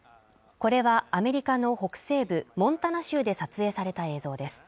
これはアメリカの北西部モンタナ州で撮影された映像です